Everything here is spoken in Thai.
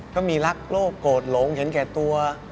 ก็มีรักโลกโกรธหลงเห็นแก่ตัว